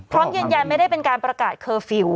พร้อมยืนยันไม่ได้เป็นการประกาศเคอร์ฟิลล์